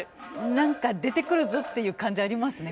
何か出てくるぞっていう感じありますね